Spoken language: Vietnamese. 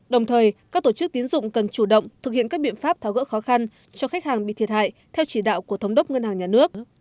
đồng thời các tổ chức tiến dụng cần chủ động thực hiện các biện pháp tháo gỡ khó khăn cho khách hàng bị thiệt hại theo chỉ đạo của thống đốc ngân hàng nhà nước